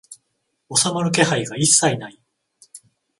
収まる気配が一切ない